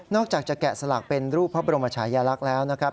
อกจากจะแกะสลักเป็นรูปพระบรมชายลักษณ์แล้วนะครับ